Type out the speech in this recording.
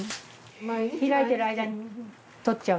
開いてる間に採っちゃう。